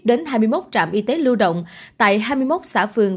đến hai mươi một trạm y tế lưu động tại hai mươi một xã phường